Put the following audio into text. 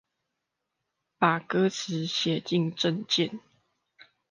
把歌詞寫進政見